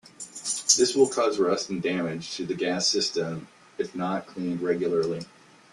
This will cause rust and damage to the gas system if not cleaned regularly.